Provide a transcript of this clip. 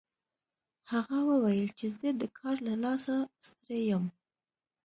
هغه وویل چې زه د کار له لاسه ستړی یم